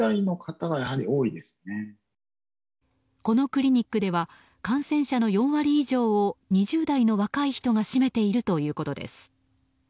このクリニックでは感染者の４割以上を２０代の若い人が占めているということです。